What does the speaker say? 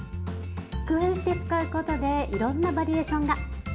工夫して使うことでいろんなバリエーションが広がります！